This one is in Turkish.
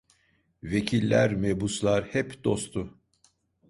Vekiller, mebuslar hep dostu.